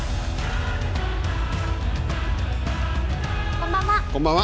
こんばんは。